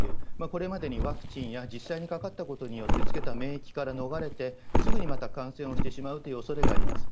これまでにワクチンや、実際にかかったことによってつけた免疫から逃れて、すぐにまた感染をしてしまうというおそれがあります。